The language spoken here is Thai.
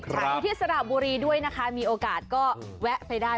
อยู่ที่สระบุรีด้วยนะคะมีโอกาสก็แวะไปได้